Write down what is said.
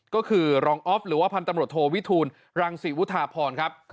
ก็คือรองออฟหรือว่าพันตำรวจโทวิทูลรังศรีวุธาพรครับ